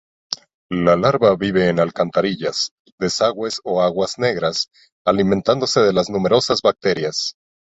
La larva vive en alcantarillas, desagües o aguas negras, alimentándose de las numerosas bacterias.